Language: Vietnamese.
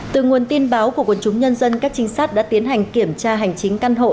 từ nguồn tin báo của quân chúng nhân dân các trinh sát đã tiến hành kiểm tra hành chính căn hộ